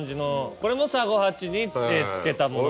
これも三五八に漬けたもの。